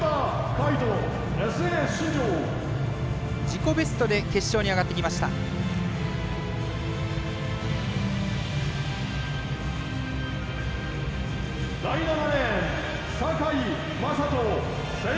自己ベストで決勝に上がってきました、山田。